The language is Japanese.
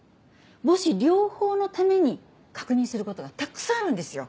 母子両方のために確認することがたくさんあるんですよ。